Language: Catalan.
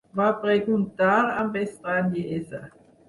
...va preguntar amb estranyesa: